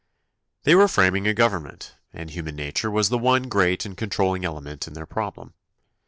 They were framing a government, and human nature was the one great and controlling element in their problem.